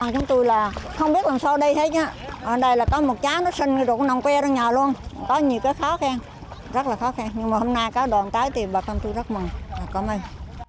chúng tôi là không biết làm sao đây hết nhá ở đây là có một trái nó sinh rồi nó nồng que ra nhà luôn có nhiều cái khó khăn rất là khó khăn nhưng mà hôm nay có đoàn tái thì bà con tôi rất mừng cảm ơn